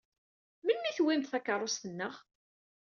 Melmi i tewwimt takeṛṛust-nneɣ?